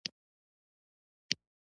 دا چرګي ښي هګۍ اچوي